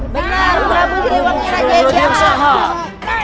benar prabu sidiwagi raja yang sahab